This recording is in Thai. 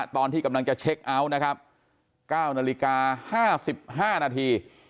ตอนที่กำลังจะเช็คเอาท์นะครับ๙นาฬิกา๕๕นาที